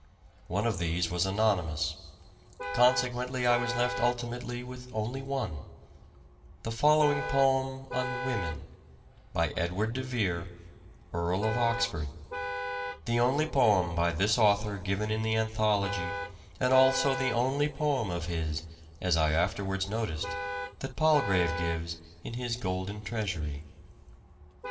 One of these was anonymous ; consequently I was left ultimately with only one: the following poem on "Women," by Edward de Vere, Earl of Oxford — the only poem by this author given in the anthology and also the only poem of his, as I afterwards noticed, that Palgrave gives in his " Golden Treasury."